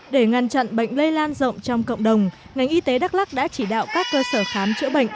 để ngăn chặn bệnh lây lan rộng trong cộng đồng ngành y tế đắk lắc đã chỉ đạo các cơ sở khám chữa bệnh